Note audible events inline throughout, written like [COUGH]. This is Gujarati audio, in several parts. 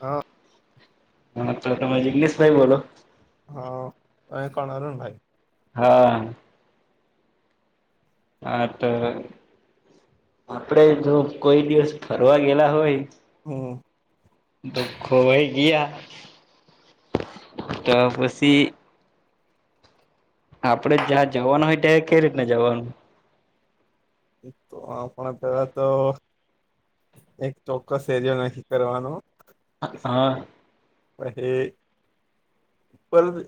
હા. હા તો તમે જિગ્શભાઈ બોલો. હ એ કોણલ ભાઈ. હા. હા તો. આપડે જો કોઈ દિવસ ફરવા ગેલા હોય. હું દુઃખો ભાઈ ગયા. તો પછી. આપડે જ્યાં જવાનું હોય ત્યાં કઈ રીતને જવાનું. તો આપ પેલા તો. એક ચોક્કસ એરિયો નથી કરવાનો. હા. હ પર.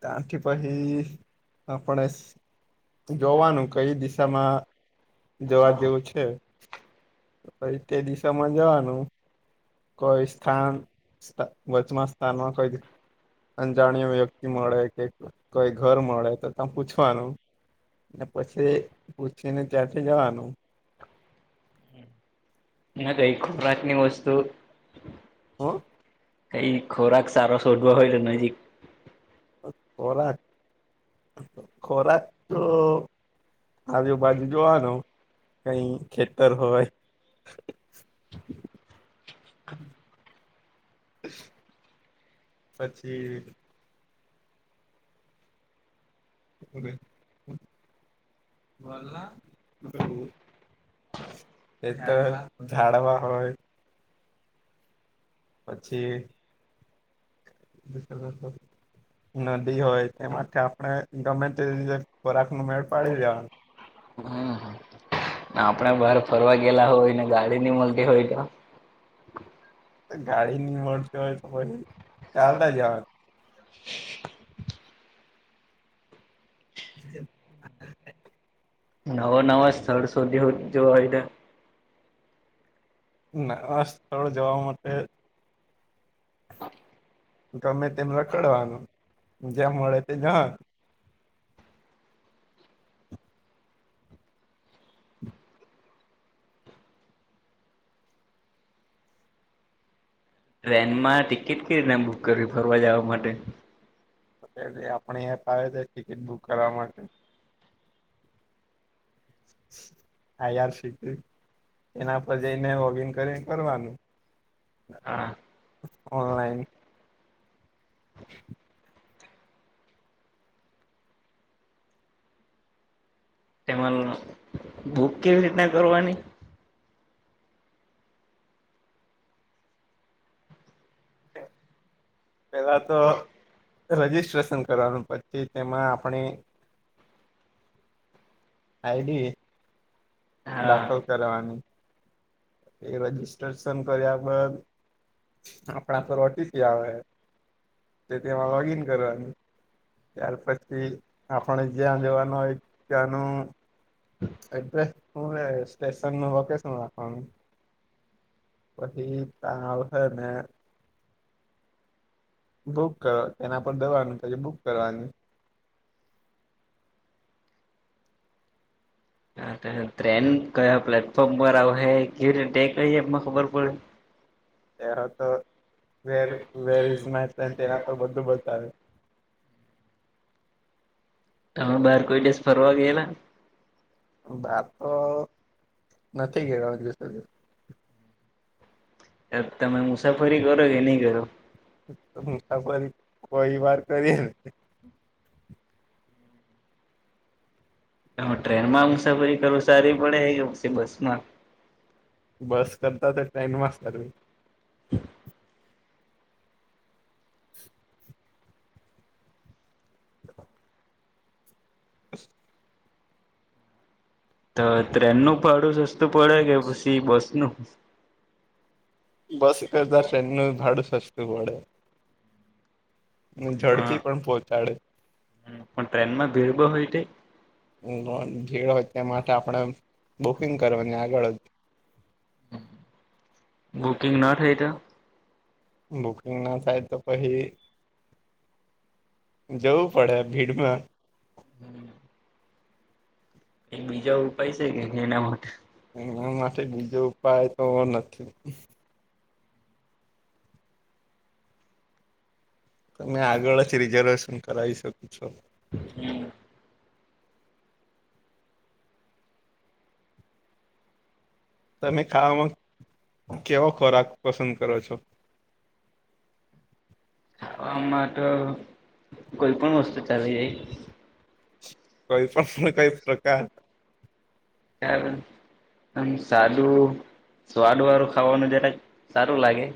ત્યાારથી પછી આપણે જોવાનું કઈ દિશામાં. જવા જેવું છે તે દિશામાં જવાનું. કોઈ સ્થાન વચમાં સ્થાનમાં કોઈ. અજાણ્યો વ્યક્તિ મળે કે કોઈ ઘર મળે તો ત પૂછવાનું. પછી પૂછીને ત્યાંથી જવાનું. ના કઈ ખોરાત ની વસ્તુ. હ કઈ ખોરાક સારો શોધવો હોય તો નજીક. ખોરાક ખોરાક તો આજ. બાજુ જોવાનું કઈ ખેતર હોય. [UNINTELLIGIBLE] [INAUDIBLE] પછી [UNINTELLIGIBLE] [UNINTELLIGIBLE] એ તો ઝાડવા હોય પછી બ [UNINTELLIGIBLE] નદી હોય તે માટે આપણે ગમે તે રીતે ખોરાક નો મેળ પાડી દેવાનું આપણે બહાર ફરવા ગયેલા હોય ને ગાડી ન‌ઇ મળતી હોય તો ગાડી ની મળતી હોય તો પછી ચાલતા જવાનું [UNINTELLIGIBLE] [UNINTELLIGIBLE] નવા નવા સ્થળ શોધી જોવાય ના આ સ્થળ જવા માટે ગમે તેમ રખડવાનું જ્યાં મળે તે જવાનું ટ્રેન માં ટિકિટ કેવી રીતે બુક કરવી ફરવા જવા માટે એટ આપણી એપ આવે છે ટિકિટ બુક કરવા માટે હા યાર શીક એના પર જઈને લોગિન કરીને કરવાનું હા ઓનલાઈન તેમાં બુક કેવી રીતના કરવાની હ [INAUDIBLE] [UNINTELLIGIBLE] પેલા તો રજીિસ્ટ્રેશન કરવાનું પછી તેમાં આપણે આઈડી હા દાખલ કરવાની એ રજીિસ્ટ્રેશન કર્યા બાદ આપણા તો રોટીથી આવે તે તેમાં લોગિન કરવાનું ત્યાર પછી આપણે જ્યાં જોવાનું હોય ત્યાંનું એડ્રેસ હું સ્ટેશન ન લોકેશન નાખવાનું વહી તાવ હ ને બુક કરવા એના પર દવાનું પછી બુક કરવાની હા ટ્રેન કયા પ્લેટફોર્મ પર આવે કેવી રીતે કઈ એમાં ખબર પડે ત તો where where is my food તેના બધું બતાવે તમે બહાર કોઈ દેશ ફરવા ગયેલા બાપો નથી ગચો હજુ સુધી ત તમે મુસાફરી કરો કે નહી કરો મુસાફરી કોઈ વાર કરીને હ ટ્રેન માં મુસાફરી કરું સારી પડે કે બસમાં બસ કરતા તો ટ્રેનમાં કરવી [INAUDIBLE] [INAUDIBLE] [INAUDIBLE] [INAUDIBLE] [INAUDIBLE] [INAUDIBLE] તો ટ્રેનનું ભાડું સસ્તું પડે કે પછી બસ નું બસ કરતા ટ્રેન નું ભાડું સસ્તું પડે ને હ હ ઝડપી પણ પહોંચાડે પણ ટ્રેનમાં ભીડ બ‌ઉ હોય તે ભીડ હોય તે માટે આપણે બુકિંગ કરવાની આગળ બુકિંગ ના થઈ તો બુકિંગ ના થાય તો પછી જવું પડે ભીડમાં [INAUDIBLE] [INAUDIBLE] એક બીજા ઉપાય છે કે એના માટે એના થી બીજો ઉપાય તો નથી તમે આગળથી રિઝર્વેશન કરાવી શકો છો હમ તમે ખાવામાં કેવો ખોરાક પસંદ કરો છો. [INAUDIBLE] આમાં તો કોઈ પણ વસ્તુ ચાલી જાય. કોઈ પણ કઈ પ્રકાર [UNINTELLIGIBLE] હ આમ સાદું સ્વાદ વાળું ખાવાનું જરા સારું લાગે.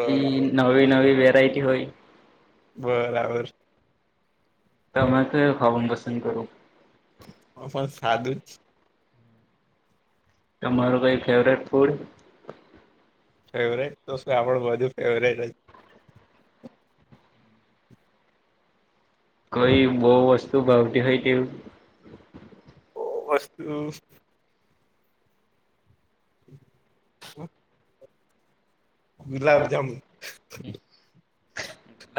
ક નવી નવી વેરાયટી હોય બરાબર તમે તો ખાવ પસંદ કરું. પણ સાધુ તમારું કઈ ફેવરેટ ફૂડ ફેવરેટ તો આપણું બધું ફેવરેટ કઈ બહુ વસ્તુ ભાવતી હોય કેવું ઓ વસ્તુ. [UNINTELLIGIBLE] ગુલાબજામુન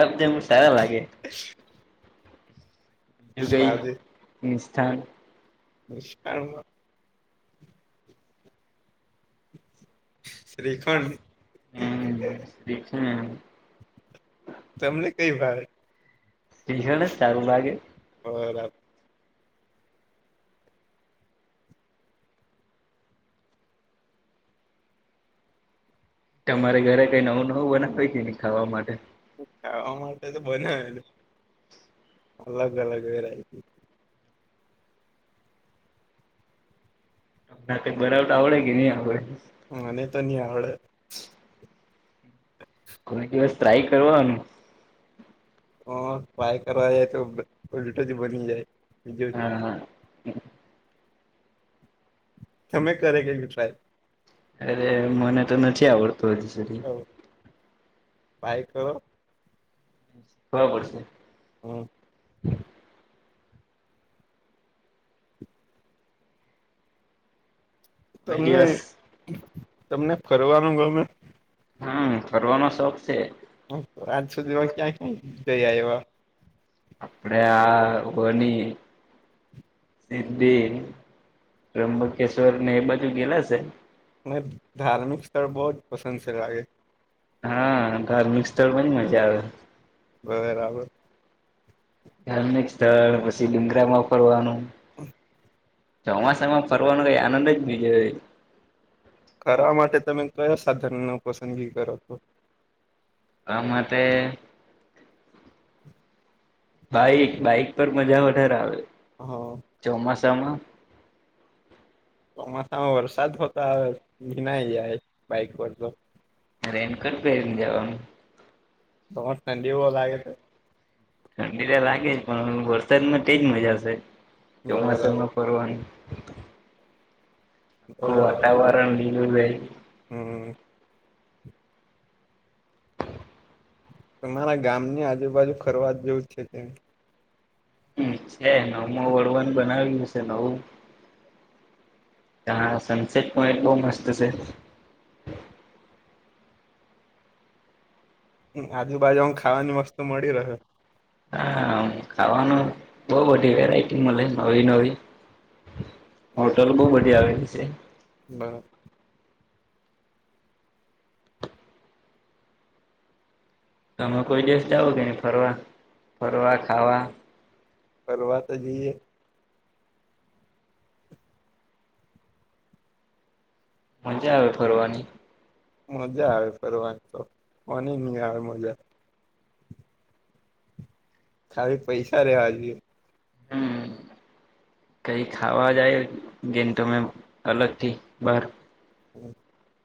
અધમુ સારા લાગે દુબઈ હસ્થાન [INAUDIBLE] ન [UNINTELLIGIBLE] શ્રીખંડ. હમ. તમને કઈ ભાવે એ સારુંભાગે. બરાબર તમારે ઘરે કઈ નવું નવું બનેય કે ખાવા માટે. ખાવા માટે તો બને. અલગ અલગ વેરાયટી. નાતે બરાબર આવડે કે નહી આપડ. હા ન તો ન આવડે. કોઈ દિવસ ત્રાય કરવાનું. હ ટ્રાય કરવા જાય તોટ જ બની જાયજ. હા તમે કરે કેવીું ટ્રાય. અરે મને તો નથી આવડતું હજી સુધી. પાાય ક. ખ પડશે. હમ. હ [UNINTELLIGIBLE] કોઈ તમને દિવસ તમને ફરવાનું ગમે. હમ ફરનો શોખ છે. આજ સુધીમાં ક્યાં ક્યા જઈ એવા. આપડે આ હોની. સિદ્ધિ ત્રમબકેશ્વર ને એ બાજુ ગેલા છે. મને ધાર્મિક સ્થળ બહુ પસંદ છે લાગે. હા ધાર્મિક સ્થળ પણ જ મજા આવે. બ બરાબર. ધાર્મિક સ્થળ પછી ડુંગરામાં ફરવાનું. હમ. ચોમાસામાં ફરવાનો કઈ આનંદ જ નહી. ખ માટે તમે કયા સાધન ન પસંદગી કરો તો. આ મ તે. બાઈક બાઈક પર મજા વધારે આવે. હા. સમ. ચોમાસામાં વરસાદ હોતો આવે ભીના જાય બાઈક પર તો. રેનકટ પન જવાનું. બ ઠંડી બહ લાગે છે. ઠંડી તો લાગે પણ વરસાદમાં તેજ મજાશે બરાબર ચોમાસામાં ફરવાની. બરાબર કોવાટા વાાર લ લ ભાઈ. હમ. તમારા ગામ ની આજુબાજુ ફરવા જ જેવું જ છે કે. હમ છે નવમાં વળવાન બનાવ્યું હશે નવું. હ સનસેટ પોઈન્ટ બહ મસ્ત છે. આજુબાજુ આ ખાવાની વસ્તુ મળી રહે. હા ખાવાનું બહ બધી વેરાયટી મળે નવી નવી. હોટલ બહુ બધિયા આવેલી છે. બ [UNINTELLIGIBLE] તમે કોઈ દિવસ જાઓો કે નહી ફરવા ફરવા ખાવા. કરવાવા તો જઈએ. મજા આવે ફરવાની. મજા આવે ફરની તો મની નહી આવે મજા. ખાલી પૈસા રેવા જોએ. હમ કઈ ખાવા જાય જેન તમે અલગ થી બાર [INAUDIBLE]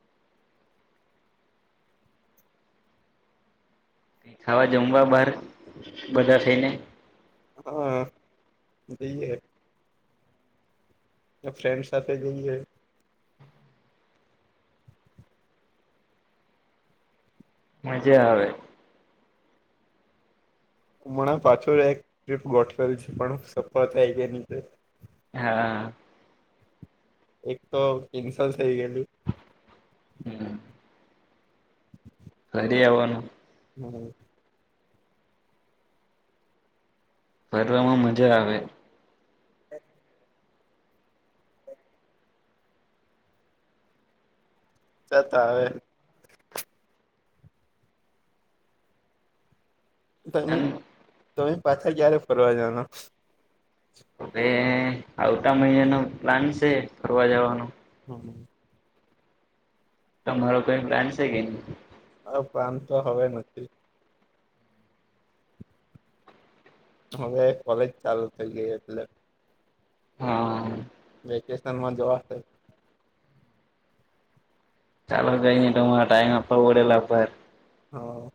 ક ખાવા જમવા બહાર બધા થઈને હા બી ફ્રેન્ડ સાથે જઈએ મજા આવે હુંમણાં પાછો એક ટ્રીપ ગોઠવેલ છે પણ સફળ થાય કેની છે હા એક તો કેન્સો થઈ ગયેલું [UNINTELLIGIBLE] ખરે આવવાનું હમ ફરવામાં મજા આવે. જતા હ. તમે એમ તમે પાછા ક્યારે ફરવા જના. હવે આવતા મહિના ન પ્લાન છે ફરવા જવાનું. [INAUDIBLE] તમારો કઈ બ્લાન્ડ છે કે ન. પ્રાણ તો હવે નથી. હવે કોલેજ ચાલુ થઈ ગઈ એટલે. હા. વેકેશન માં જોવાશે. ચાલો કઈ નઈ તો ટાઈમ આપ ઓડેલાભર. હા.